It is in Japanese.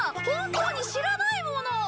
本当に知らないもの。